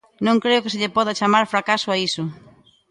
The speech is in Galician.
Non creo que se lle poda chamar fracaso a iso.